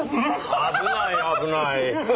危ない危ない。